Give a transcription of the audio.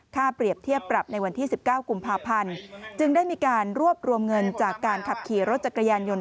เปรียบเทียบปรับในวันที่๑๙กุมภาพันธ์จึงได้มีการรวบรวมเงินจากการขับขี่รถจักรยานยนต์